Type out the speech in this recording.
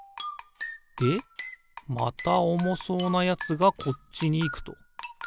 でまたおもそうなやつがこっちにいくと。